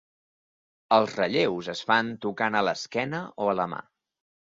Els relleus es fan tocant a l'esquena o a la mà.